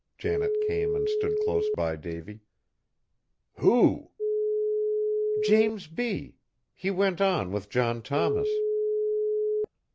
Janet came and stood close by Davy. "Who?" he asked. "James B. He went on with John Thomas."